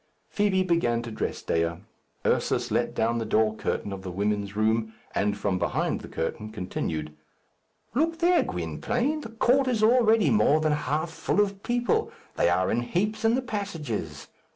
Fibi began to dress Dea. Ursus let down the door curtain of the women's room, and from behind the curtain continued, "Look there, Gwynplaine! the court is already more than half full of people. They are in heaps in the passages.